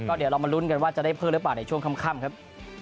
เดี๋ยวเรามาลุ้นกันว่าจะได้เพิ่มหรือเปล่าในช่วงค่ำครับ